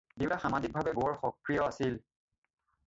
দেউতা সামাজিক ভাবে বৰ সক্ৰিয় আছিল।